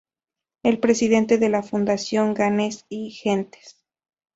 Es presidente de la Fundación Genes y Gentes.